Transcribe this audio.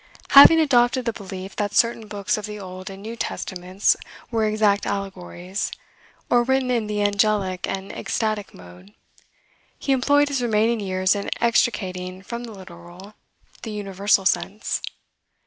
Having adopted the belief that certain books of the Old and New Testaments were exact allegories, or written in the angelic and ecstatic mode, he employed his remaining years in extricating from the literal, the universal sense.